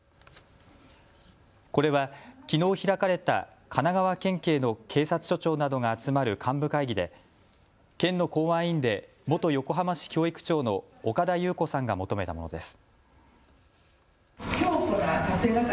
これはきのう開かれた神奈川県警の警察署長などが集まる幹部会議で県の公安委員で元横浜市教育長の岡田優子さんが求めたものです。